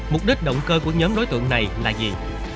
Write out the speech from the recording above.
mục đích động cơ của nhóm đối tượng này là gì